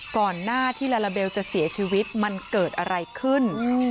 ก่อนหน้าที่ลาลาเบลจะเสียชีวิตมันเกิดอะไรขึ้น